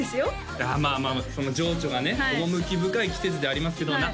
いやまあまあその情緒がね趣深い季節ではありますけど夏